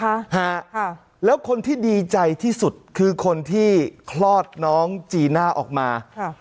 ค่ะฮะค่ะแล้วคนที่ดีใจที่สุดคือคนที่คลอดน้องจีน่าออกมาค่ะ